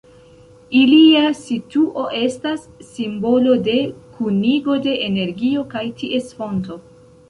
Ilia situo estas simbolo de kunigo de energio kaj ties fonto.